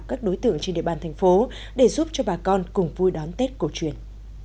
các đối tượng trên địa bàn thành phố để giúp cho bà con cùng vui đón tết cổ truyền